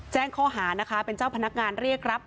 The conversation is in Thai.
แจ้งข้อหานะคะเป็นเจ้าพนักงานเรียกรับ